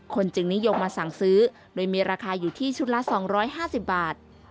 จึงนิยมมาสั่งซื้อโดยมีราคาอยู่ที่ชุดละ๒๕๐บาท